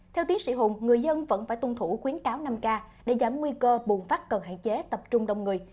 theo tiến sĩ hùng người dân vẫn phải tuân thủ khuyến cáo năm k để giảm nguy cơ bùng phát cần hạn chế tập trung đông người